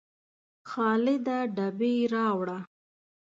خالده ډبې راوړه